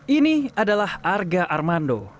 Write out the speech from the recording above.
ini adalah arga armando